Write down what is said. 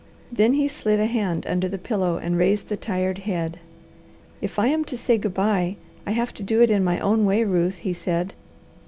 Then he slid a hand under the pillow and raised the tired head. "If I am to say good bye, I have to do it in my own way, Ruth," he said.